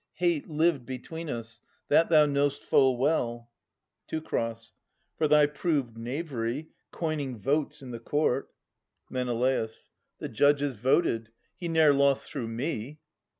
Hate lived between us ; that thou know'st full well. Teu. For thy proved knavery, coining votes i' the court. 92 Aias [1136 1165 Men. The judges voted. He ne'er lost through me.